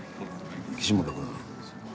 岸本君。